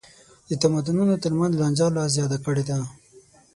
د تمدنونو تر منځ لانجه لا زیاته کړې ده.